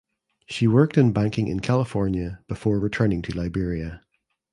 She worked in banking in California before returning to Liberia.